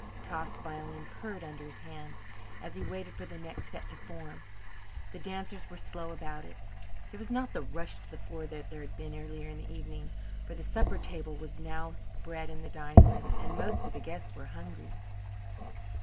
Toff's violin purred under his hands as he waited for the next set to form. The dancers were slow about it. There was not the rush for the floor that there had been earlier in the evening, for the supper table was now spread in the dining room and most of the guests were hungry.